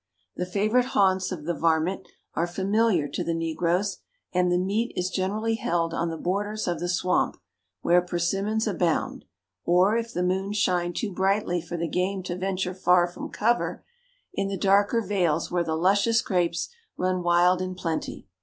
The favorite haunts of the "varmint" are familiar to the negroes, and the "meet" is generally held on the borders of the swamp, where persimmons abound, or, if the moon shine too brightly for the game to venture far from cover, in the darker vales where the luscious grapes run wild and plenty.